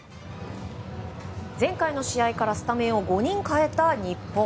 前回の試合からスタメンを５人変えた日本。